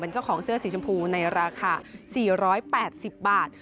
เจ้าของเสื้อสีชมพูในราคา๔๘๐บาท